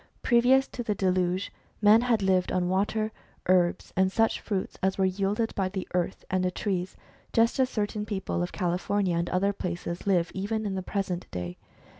Previous to the deluge men had lived on water, herbs, and such fruits as were yielded by the earth and the trees, just as certain people of California and other places live even in the present day.